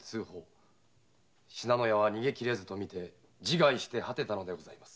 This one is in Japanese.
信濃屋は逃げきれずとみて自害して果てたのです。